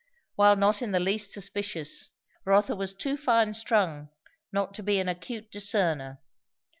While not in the least suspicious, Rotha was too fine strung not to be an acute discerner.